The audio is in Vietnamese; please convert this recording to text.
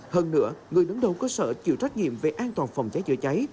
hơn nữa người đứng đầu cơ sở chịu trách nhiệm về an toàn phòng cháy chữa cháy